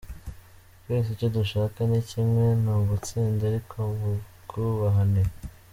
Twese icyo dushaka ni kimwe, ni ugutsinda ariko mu bwubahane.